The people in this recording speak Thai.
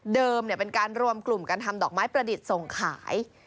เป็นการรวมกลุ่มการทำดอกไม้ประดิษฐ์ส่งขาย